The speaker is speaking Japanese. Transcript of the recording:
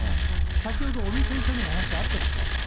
先ほど尾身先生のお話、あったでしょ。